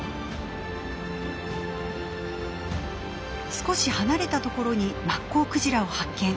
少し離れたところにマッコウクジラを発見。